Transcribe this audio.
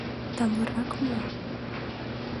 Тамлырак мо?